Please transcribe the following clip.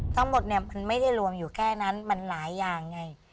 ทั้งหมดเนี่ยมันไม่ได้รวมอยู่แค่นั้นมันหลายอย่างไง